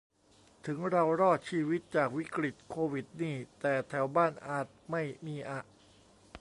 ถึงเรารอดชีวิตจากวิกฤติโควิดนี่แต่แถวบ้านอาจไม่มีอะ